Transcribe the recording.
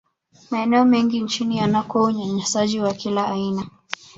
maeneo mengi nchini yanakuwa unyanyasaji wa kila aina